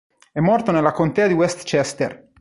È morto nella Contea di Westchester.